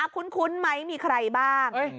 คุ้นไหมมีใครบ้าง